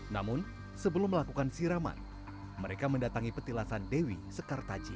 namun sebelum melakukan siraman mereka mendatangi petilasan dewi sekartaji